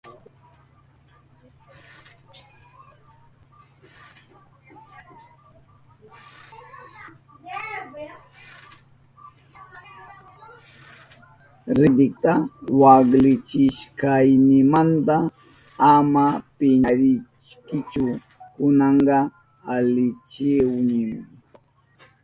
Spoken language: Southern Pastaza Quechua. Ridikita waklichishkaynimanta ama piñarinkichu, kunanka alichahunimi.